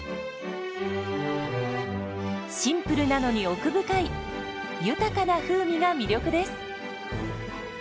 シンプルなのに奥深い豊かな風味が魅力です。